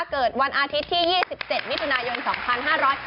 เกิดวันอาทิตย์ที่๒๗มิถุนายน๒๕๕๙